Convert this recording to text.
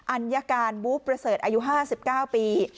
อัญการบู๊ประเสริฐอายุ๕๙ปี